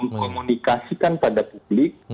mengkomunikasikan pada publik